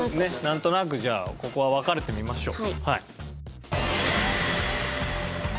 なんとなくじゃあここは分かれてみましょう。